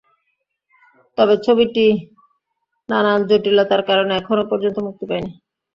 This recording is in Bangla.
তবে ছবিটি নানান জটিলতার কারণে এখনও পর্যন্ত মুক্তি পায়নি।